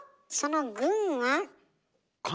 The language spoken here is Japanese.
その軍は。